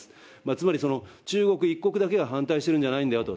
つまり中国一国だけが反対してるんじゃないんだよと。